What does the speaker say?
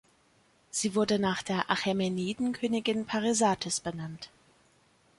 Sie wurde nach der Achämeniden-Königin Parysatis benannt.